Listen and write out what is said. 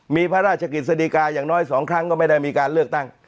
มีพระราชกิจสดีกาอย่างน้อย๒ครั้งก็ไม่ได้มีการเลือกตั้ง